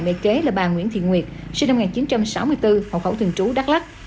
bị kế là bà nguyễn thị nguyệt sinh năm một nghìn chín trăm sáu mươi bốn hộ khẩu thường trú đắk lắc